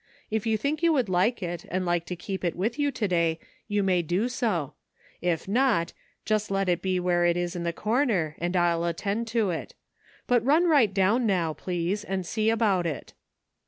If you think you would like it and like to keep it with you to day you may do so, if not, just let it be where it is in the corner, and I'll attend to it ; but run right down now, please, and see about it."